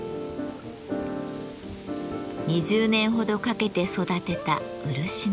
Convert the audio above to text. ２０年ほどかけて育てた漆の木。